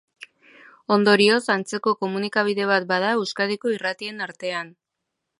Ondorioz antzeko komunikabide bat bada Euskadiko irratien artean.